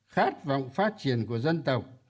khát vọng phát triển của dân tộc